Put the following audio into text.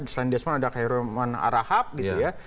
selain desmond ada khairulman arahap gitu ya